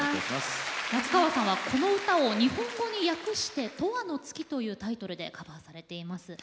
夏川さんは、この歌を日本語に訳して「永遠の月」というタイトルでカバーされています。